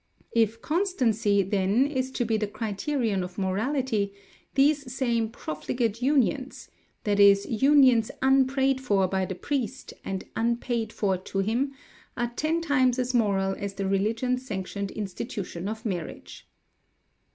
If constancy, then, is to be the criterion of morality, these same profligate unions that is, unions unprayed for by the priest and unpaid for to him are ten times as moral as the religion sanctioned institution of marriage.